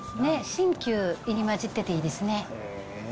新旧入り交じってていいですね。